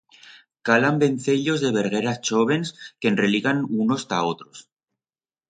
Calan vencellos de vergueras chóvens que enreligan unos ta otros.